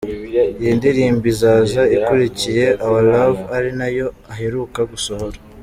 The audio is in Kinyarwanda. Iyi ndirimbo izaza ikurikiye ‘Our love’ ari nayo aheruka gusohora.